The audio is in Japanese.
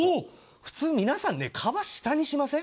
普通皆さん、皮を下にしません？